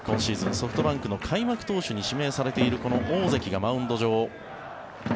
ソフトバンクの開幕投手に指名されているこの大関がマウンド上。